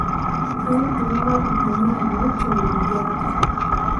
Him ɓo ah bõoni mo cok wii ah ɓe.